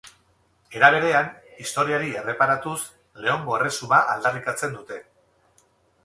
Era berean, historiari erreparatuz, Leongo Erresuma aldarrikatzen dute.